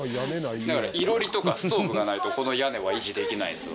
だから囲炉裏とかストーブがないとこの屋根は維持できないです。